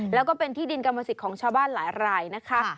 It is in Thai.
แล้วก็เป็นที่ดินกรรมสิทธิ์ของชาวบ้านหลายรายนะคะ